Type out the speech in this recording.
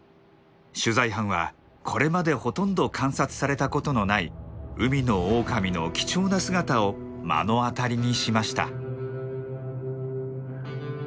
取材班はこれまでほとんど観察されたことのない海のオオカミの貴重な姿を目の当たりにしました。